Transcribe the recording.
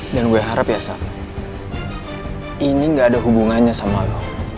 dan gue harap ya ini gak ada hubungannya sama lo